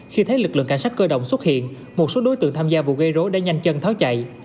khi thấy lực lượng cảnh sát cơ động xuất hiện một số đối tượng tham gia vụ gây rối đã nhanh chân tháo chạy